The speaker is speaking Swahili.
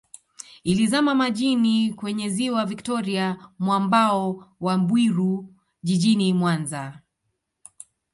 Ilizama majini kwenye Ziwa Victoria mwambao wa Bwiru Jijini Mwanza